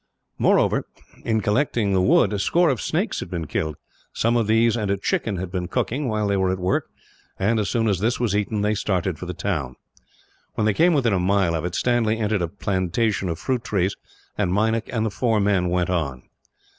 Moreover, in collecting the wood a score of snakes had been killed. Some of these and a chicken had been cooking while they were at work and, as soon as this was eaten, they started for the town. When they came within a mile of it, Stanley entered a plantation of fruit trees, and Meinik and the four men went on.